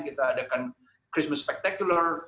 kita adakan christmas spectacular